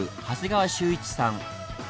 長谷川修一さん。